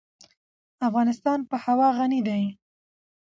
افغانستان په هوا غني دی.